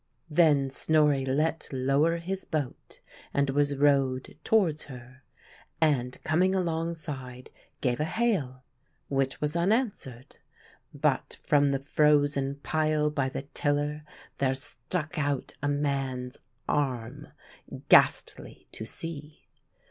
Then Snorri let lower his boat, and was rowed towards her; and, coming alongside, gave a hail, which was unanswered. But from the frozen pile by the tiller there stuck out a man's arm, ghastly to see.